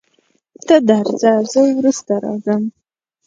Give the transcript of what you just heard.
ته درځه زه وروسته راځم.